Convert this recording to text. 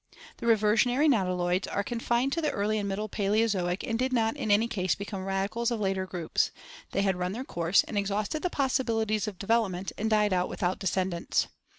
The reversionary nautiloids are con fined to the early and middle Paleozoic and did not in anv case become radi Fio. .n. PMto shell. (Ai c,es of kter groups"; they had run their course and exhausted the possibilities of development, and died out without descendants.